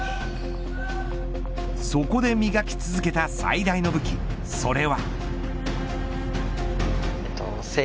そこで磨き続けた最大の武器それは。